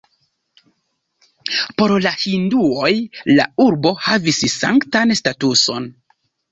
Por la hinduoj la urbo havis sanktan statuson.